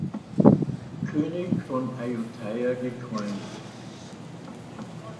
König von Ayutthaya gekrönt.